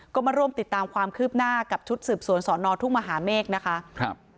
ก็มาร่วมติดตามความคืบหน้ากับชุดสืบสวนสอนอทุ่งมหาเมฆนะคะครับ